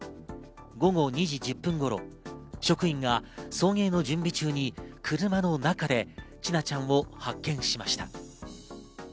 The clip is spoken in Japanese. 午後２時１０分頃、職員が送迎の準備中に車の中で千奈ちゃんを発見しました。